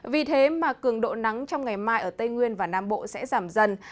vì thế mà cường độ nắng trong ngày mai ở tây nguyên và nam bộ sẽ giảm dần